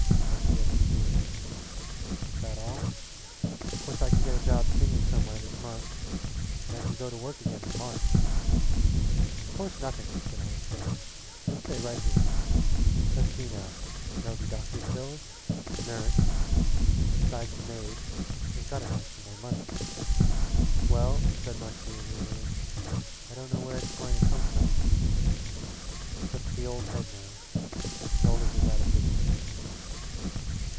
Marcia looked blue. "That all? Course I can get a job singing somewhere this month. And I can go to work again in March." "Of course nothing!" said Horace gruffly. "You'll stay right here. Let's see now there'll be doctor's bills and a nurse, besides the maid: We've got to have some more money." "Well," said Marcia wearily, "I don't know where it's coming from. It's up to the old head now. Shoulders is out of business."